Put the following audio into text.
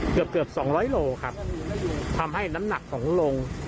เกือบเกือบสองร้อยโลครับทำให้น้ำหนักของลง